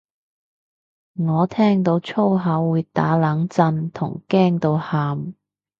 我聽到粗口會打冷震同驚到喊